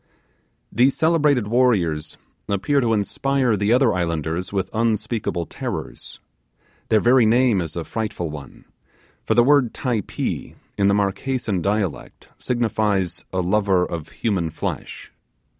These celebrated warriors appear to inspire the other islanders with unspeakable terrors. Their very name is a frightful one; for the word 'Typee' in the Marquesan dialect signifies a lover of human flesh.